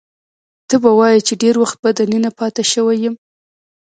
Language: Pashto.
ته به وایې چې ډېر وخت به دننه پاتې شوی یم.